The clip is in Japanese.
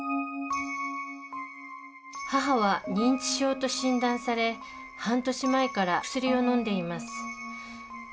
母は認知症と診断され半年前から薬をのんでいます。